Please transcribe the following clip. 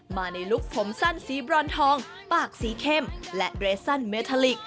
มาในลุคผมสั้นสีบรอนทองปากสีเข้มและเรสสันเมทาลิก